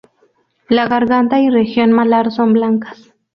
La garganta y región malar son blancas.